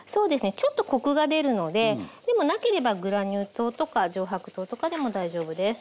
ちょっとコクが出るのででもなければグラニュー糖とか上白糖とかでも大丈夫です。